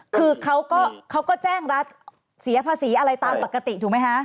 คือเขาก็แจ้งรัฐเสียภาษีอะไรตามปกติถูกไหมคะ